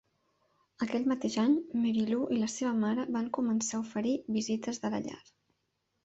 Aquell mateix any, Mary Lou i la seva mare van començar a oferir visites de la llar.